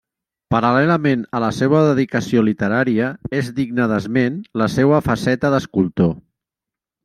Paral·lelament a la seua dedicació literària, és digna d'esment la seua faceta d'escultor.